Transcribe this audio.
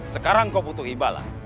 sekarang kau butuh imbalan